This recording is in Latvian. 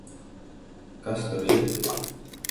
Kas tur ir?